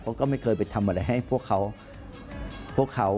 เพราะก็ไม่เคยไปทำอะไรให้พวกเขาพวกเขา